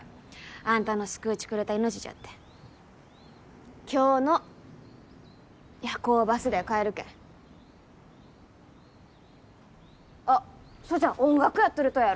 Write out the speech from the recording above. アンタの救うちくれた命じゃって今日の夜行バスで帰るけんあっそうじゃ音楽やっとるとやろ？